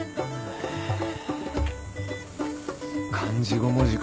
漢字５文字か。